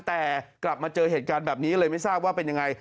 แต่กลับมาเจอเหตุการณ์แบบนี้ก็เลยไม่ทราบว่าเป็นยังไง